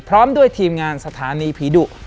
พร้อมด้วยทีมงานสถานีผีดุ